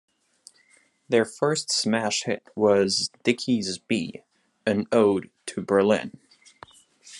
Their first smash hit was "Dickes B", an ode to Berlin.